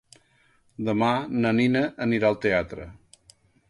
Demà na Nina anirà al teatre.